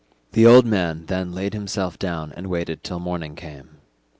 The old man then laid himself down and waited till morning came.